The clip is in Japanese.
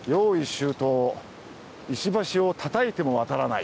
周到石橋をたたいても渡らない！